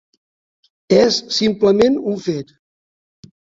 És simplement un fet.